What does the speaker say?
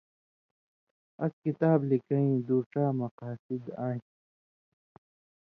اَس کِتاب لِکئیں دُوڇا مقاصِد آن٘سیۡ۔